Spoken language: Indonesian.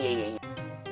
aja ayai ayai